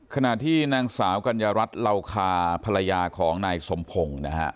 ขณะที่นางสาวกัญญารัตรราวคาภรรยาของนายสมพงธ์นะครับ